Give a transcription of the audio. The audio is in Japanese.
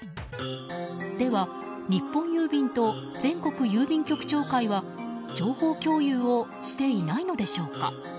では日本郵便と全国郵便局長会は情報共有をしていないのでしょうか。